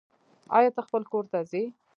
آيا ته خپل کور ته ځي